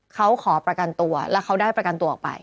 เขาขอประกันตัวแล้วเขาได้ประกันตัวออกไป